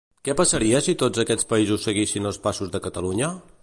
Què passaria si tots aquests països seguissin els passos de Catalunya?